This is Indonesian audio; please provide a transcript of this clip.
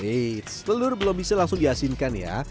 eits telur belum bisa langsung diasinkan ya